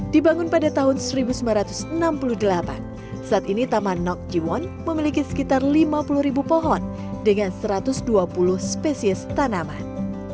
dibangun pada tahun seribu sembilan ratus enam puluh delapan saat ini taman nok jiwon memiliki sekitar lima puluh ribu pohon dengan satu ratus dua puluh spesies tanaman